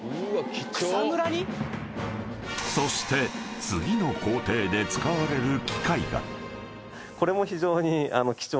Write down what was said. ［そして次の工程で使われる機械が］